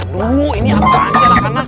tuh ini apaan sih anak anak